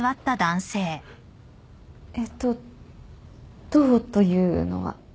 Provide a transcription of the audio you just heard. えっとどうというのは？